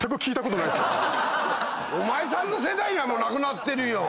お前さんの世代にはなくなってるよ。